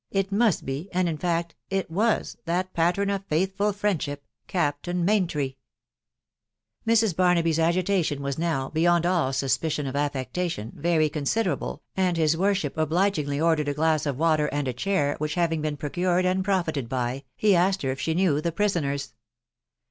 ... it must be, and, in fact, it was that .pattern of faithful friendship, Captain Maintry ! Mrs. Barnabylaagtotipn was now, beyond all suspicion of affectation, v,ery (Considerable, and ihijs woijship .obligingly .or dered a .glass of water »nd a chair, which having .been pro cured and profited by, .he asked .her if 1she ,knew the pripqners.